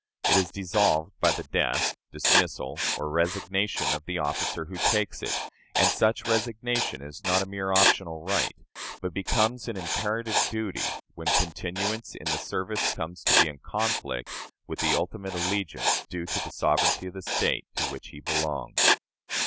It is dissolved by the death, dismissal, or resignation of the officer who takes it; and such resignation is not a mere optional right, but becomes an imperative duty when continuance in the service comes to be in conflict with the ultimate allegiance due to the sovereignty of the State to which he belongs.